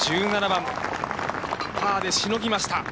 １７番、パーでしのぎました。